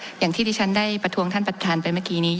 ผมจะขออนุญาตให้ท่านอาจารย์วิทยุซึ่งรู้เรื่องกฎหมายดีเป็นผู้ชี้แจงนะครับ